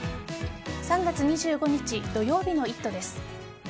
３月２５日土曜日の「イット！」です。